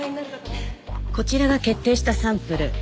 こちらが決定したサンプル。